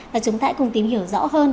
và chúng ta hãy cùng tìm hiểu rõ hơn